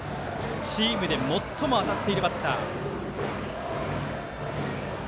チームで最も当たっているバッター。